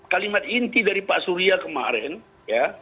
kalimat inti dari pak surya kemarin ya